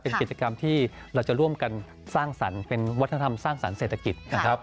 เป็นกิจกรรมที่เราจะร่วมกันสร้างสรรค์เป็นวัฒนธรรมสร้างสรรค์เศรษฐกิจนะครับ